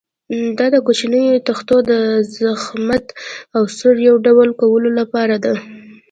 دا د کوچنیو تختو د ضخامت او سور یو ډول کولو لپاره ده.